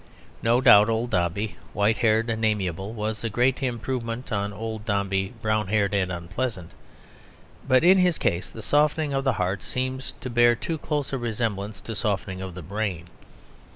No doubt old Dombey, white haired and amiable, was a great improvement on old Dombey brown haired and unpleasant. But in his case the softening of the heart seems to bear too close a resemblance to softening of the brain.